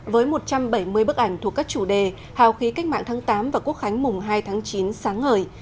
với một trăm bảy mươi bức ảnh thuộc các chủ đề hào khí cách mạng tháng tám và quốc khánh mùng hai tháng chín sáng ngời